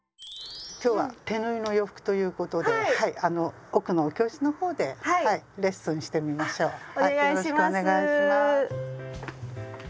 今日は手縫いの洋服ということで奥のお教室の方でレッスンしてみましょう。